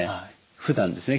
ふだんですね